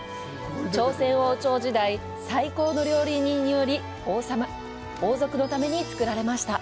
朝鮮王朝時代、最高の料理人により王族のために作られました。